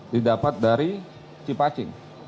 didapat dari cipacing